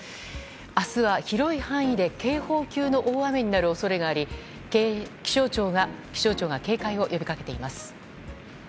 明日は広い範囲で警報級の大雨になる恐れがあり気象庁が警戒を呼びかけています。